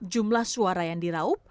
jumlah suara yang diraup